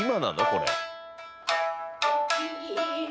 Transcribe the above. これ。